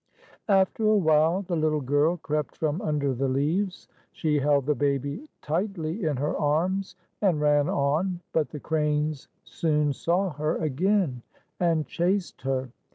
After a while, the little girl crept from under the leaves. She held the baby tightly in her arms and ran on. But the cranes soon saw her again, and chased her.